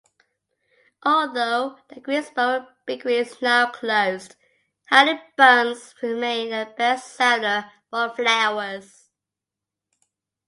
Although the Greensboro bakery is now closed, honey buns remain a best-seller for Flowers.